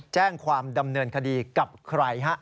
แจ้งความดำเนินคดีกับใครฮะ